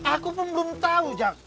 aku pun belum tahu jawab